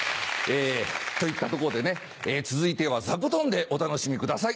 といったとこでね続いては座布団でお楽しみください。